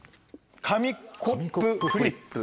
紙コップフリップ。